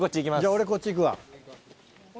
俺こっち行くわ。